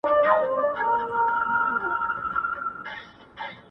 روح مي نو څه وخت مهربانه په کرم نیسې.